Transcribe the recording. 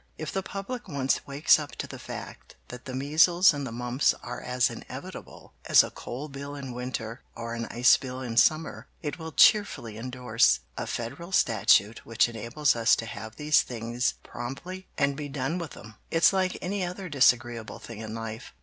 If the public once wakes up to the fact that the measles and the mumps are as inevitable as a coal bill in winter, or an ice bill in summer, it will cheerfully indorse a Federal Statute which enables us to have these things promptly and be done with 'em. It's like any other disagreeable thing in life.